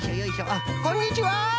あっこんにちは。